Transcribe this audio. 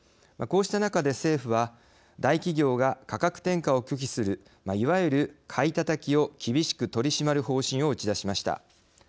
こうした中で、政府は大企業が価格転嫁を拒否するいわゆる、買いたたきを厳しく取り締まる方針を打ち出しました。